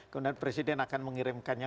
kemudian presiden akan mengirimkannya